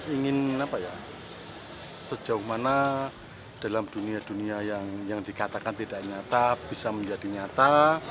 ingin apa ya sejauh mana dalam dunia dunia yang dikatakan tidak nyata bisa menjadi nyata